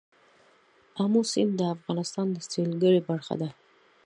آمو سیند د افغانستان د سیلګرۍ برخه ده.